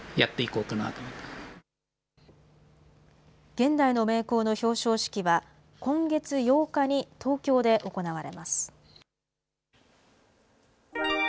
現代の名工の表彰式は、今月８日に東京で行われます。